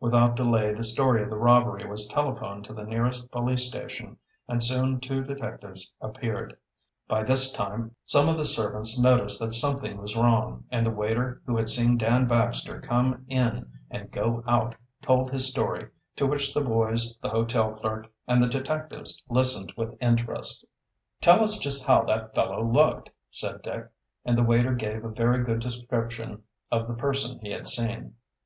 Without delay the story of the robbery was telephoned to the nearest police station, and soon two detectives appeared. By this time some of the servants noticed that something was wrong, and the waiter who had seen Dan Baxter come in and go out told his story, to which the boys, the hotel clerk, and the detectives listened with interest. "Tell us just how that fellow looked," said Dick, and the waiter gave a very good description of the person he had seen.